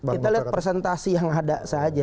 kita lihat presentasi yang ada saja